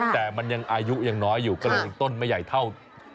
แต่มันยังอายุยังน้อยอยู่ก็เลยยังต้นไม่ใหญ่เท่า